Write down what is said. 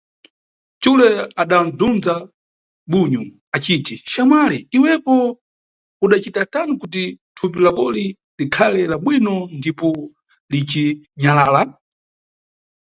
Xule adabzundza bunyu aciti, xamwali iwepo udacita tani kuti thupi lakoli likhale la bwino ndipo lici nyalala?